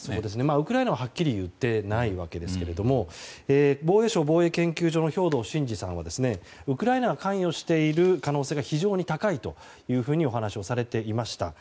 ウクライナははっきり言ってないわけですが防衛省防衛研究所の兵頭慎治さんはウクライナが関与している可能性が非常に高いとお話をされていました。